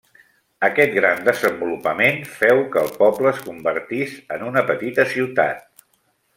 Aquest gran desenvolupament féu que el poble es convertís en una petita ciutat.